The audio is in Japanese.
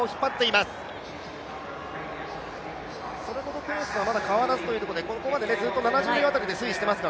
それほどペースはまだ変わらずということで、ここまでずっと７０秒辺りできています